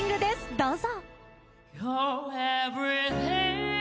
どうぞ！